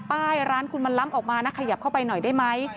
ป้ายร้านคุณมันล้ำออกมานะขยับเข้าไปหน่อยได้ไหม